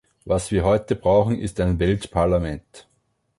Was wir heute brauchen ist ein Weltparlament.